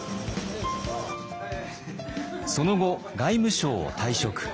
その後外務省を退職。